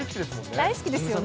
大好きですよね。